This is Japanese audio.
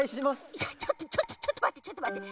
いやちょっとちょっとちょっとまってちょっとまって！